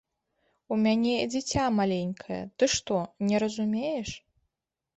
У мяне дзіця маленькае, ты што, не разумееш?